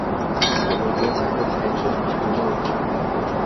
我們國家的財政並不樂觀